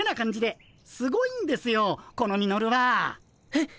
えっ！